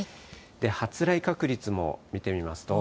発雷確率も見てみますと。